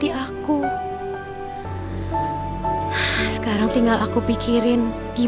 kamu jangan salahin mama dong vin